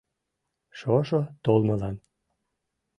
Шошо толмылан